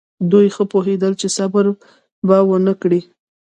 دوی ښه پوهېدل چې صبر به ونه کړي.